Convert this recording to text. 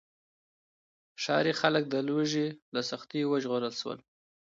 ښاري خلک د لوږې له سختیو وژغورل شول.